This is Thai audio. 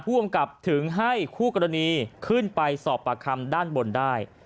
ภูมิกับถึงให้คู่กรณีขึ้นไปสอบปากคำด้านบนได้